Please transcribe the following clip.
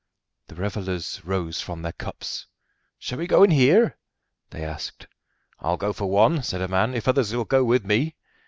The revellers rose from their cups. "Shall we go and hear?" they asked. "I'll go for one," said a man; "if others will go with me."